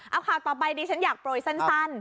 เอาข่าวต่อไปดิฉันอยากโปรยสั้น